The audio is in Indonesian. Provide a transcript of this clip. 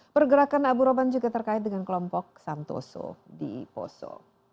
pergerakan abu roban juga terkait dengan kelompok santoso di poso